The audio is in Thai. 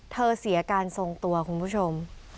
เสียการทรงตัวคุณผู้ชม